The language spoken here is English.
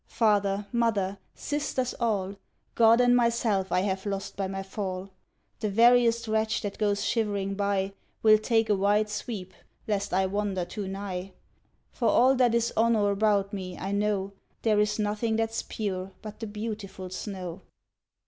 Father, Mother, Sisters all, God, and myself, I have lost by my fall. The veriest wretch that goes shivering by Will take a wide sweep, lest I wander too nigh; For all that is on or about me, I know There is nothing that's pure but the beautiful snow.